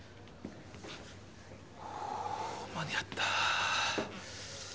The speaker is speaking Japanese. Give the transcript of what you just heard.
ふぅ間に合った。